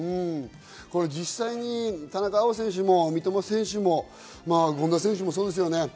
実際に田中碧選手も三笘選手も権田選手もそうですよね。